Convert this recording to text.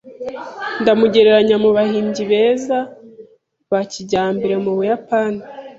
Ndamugereranya mubahimbyi beza ba kijyambere mubuyapani.